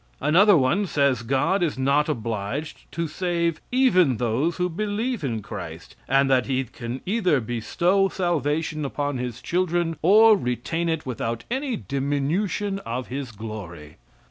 Another one says God is not obliged to save even those who believe in Christ, and that he can either bestow salvation upon his children or retain it without any diminution of his glory.